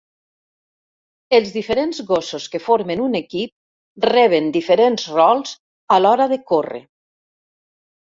Els diferents gossos que formen un equip reben diferents rols a l'hora de córrer.